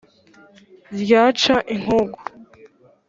ryaca inkungu